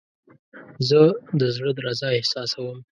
زه د زړه درزا احساسوم.